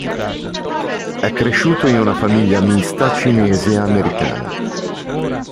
È cresciuto in una famiglia mista cinese e americana.